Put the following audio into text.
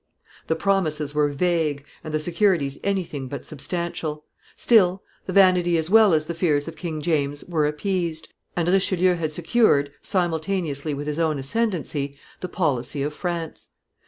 The promises were vague and the securities anything but substantial; still, the vanity as well as the fears of King James were appeased, and Richelieu had secured, simultaneously with his own ascendency, the policy of France.